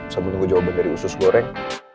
sama gue nunggu jawaban dari usus goreng